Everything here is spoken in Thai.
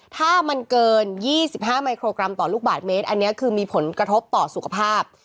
ถ้ามันเกิน๒๕มิโครกรัมต่อลูกบาทเมตรอันนี้คือมีผลกระทบต่อสุขภาพ